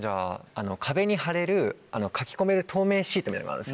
壁に張れる書き込める透明シートみたいなのがあるんですよ。